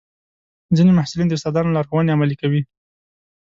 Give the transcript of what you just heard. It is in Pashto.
ځینې محصلین د استادانو لارښوونې عملي کوي.